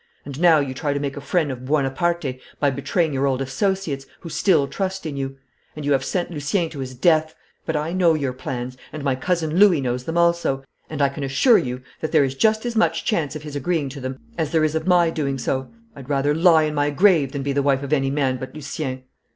And now you try to make a friend of Buonaparte by betraying your old associates, who still trust in you. And you have sent Lucien to his death! But I know your plans, and my Cousin Louis knows them also, and I can assure you that there is just as much chance of his agreeing to them as there is of my doing so. I'd rather lie in my grave than be the wife of any man but Lucien.'